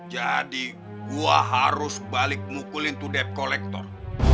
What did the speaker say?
jadi gua harus balik ngukulin dep kolektor